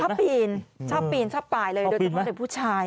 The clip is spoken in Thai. ปีนชอบปีนชอบปลายเลยโดยเฉพาะเด็กผู้ชาย